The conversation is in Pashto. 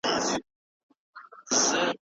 تر څو دا باور رښتیا کړو.